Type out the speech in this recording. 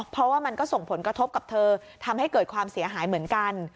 เพราะว่ามันก็ส่งผลกระทบกับเธอทำให้เกิดความเสียหายเหมือนกัน